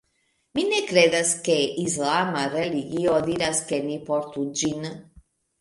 Mi ne kredas ke islama religio diras ke ni portu ĝin.